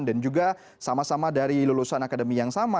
juga sama sama dari lulusan akademi yang sama